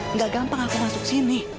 nggak gampang aku masuk sini